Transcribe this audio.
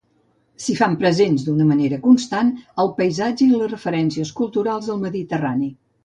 S'hi fan presents d'una manera constant el paisatge i les referències culturals del Mediterrani.